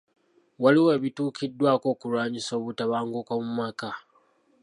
Waliwo ebituukiddwako okulwanyisa obutabanguko mu maka.